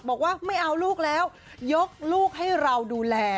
บอกว่าไม่เอาลูกแล้วยกลูกให้เราดูแล